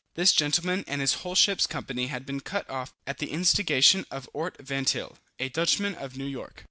This gentleman and his whole ship's company had been cut off at the instigation of Ort Vantyle, a Dutchman of New York.